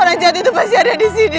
orang jahat itu pasti ada di sini